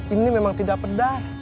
ini memang tidak pedas